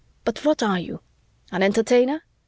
But what are you? An Entertainer?